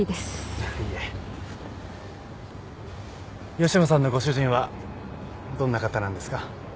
吉野さんのご主人はどんな方なんですか？